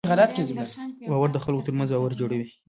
باور د خلکو تر منځ باور جوړوي.